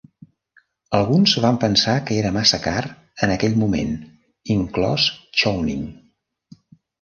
Alguns van pensar que era massa car en aquell moment, inclòs Chowning.